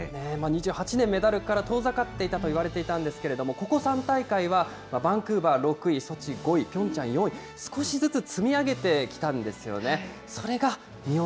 ２８年、メダルから遠ざかっていたといわれていたんですけれども、ここ３大会は、バンクーバー６位、ソチ５位、ピョンチャン４位、少しずつ積み上げてきたんですよね。